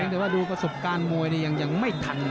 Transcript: แต่ว่าดูประสบการณ์มวยยังไม่ทัน